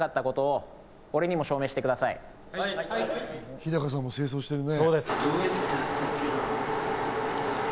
日高さんも正装してるね。